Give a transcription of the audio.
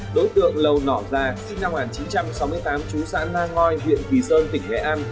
đối tượng lầu nỏ gia sinh năm một nghìn chín trăm sáu mươi tám chú sản la ngoi huyện vì sơn tỉnh nghệ an